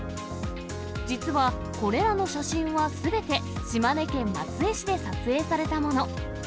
実は、これらの写真はすべて島根県松江市で撮影されたもの。